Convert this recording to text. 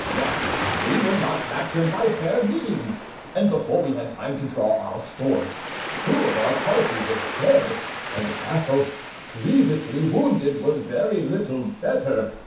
But we were not captured by fair means; and before we had time to draw our swords, two of our party were dead, and Athos, grievously wounded, was very little better.